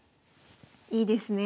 いいですね。